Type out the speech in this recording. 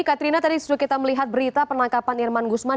katrina tadi sudah kita melihat berita penangkapan irman gusman